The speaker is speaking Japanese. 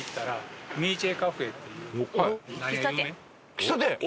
喫茶店！